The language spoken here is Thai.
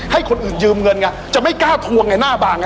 ให้คนอื่นยืมเงินไงจะไม่กล้าทวงไงหน้าบางไง